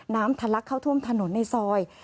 ทะลักเข้าท่วมถนนในซอย